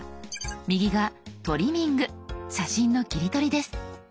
右が「トリミング」写真の切り取りです。